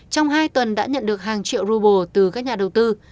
trong hai tuần đã nhận được hàng triệu rubles từ các nhà đầu tư